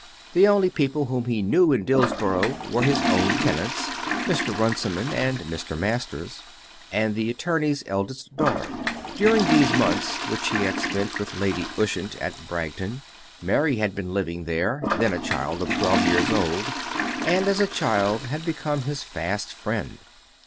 The only people whom he knew in Dillsborough were his own tenants, Mr. Runciman and Mr. Masters, and the attorney's eldest daughter. During those months which he had spent with Lady Ushant at Bragton, Mary had been living there, then a child of twelve years old; and, as a child, had become his fast friend.